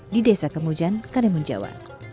di desa kemujan karimun jawa